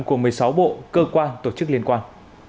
của một mươi sáu bộ cơ quan tổ chức liên quan